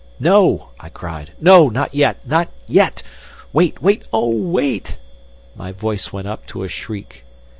"No," I cried. "No! Not yet! not yet! Wait! Wait! Oh, wait!" My voice went up to a shriek.